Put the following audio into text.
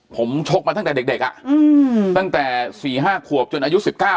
ผมชกมาตั้งแต่เด็กตั้งแต่๔๕ขวบจนอายุ๑๙